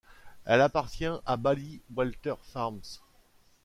Elle appartient à Ballywalter Farms.